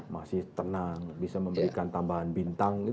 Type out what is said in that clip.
masih tenang bisa memberikan tambahan bintang